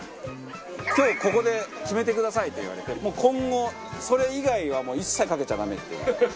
今日ここで決めてくださいと言われてもう今後それ以外はもう一切かけちゃダメっていうなら。